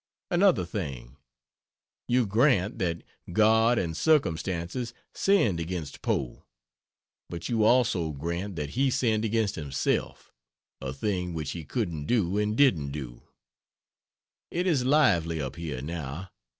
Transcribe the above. Another thing: you grant that God and circumstances sinned against Poe, but you also grant that he sinned against himself a thing which he couldn't do and didn't do. It is lively up here now.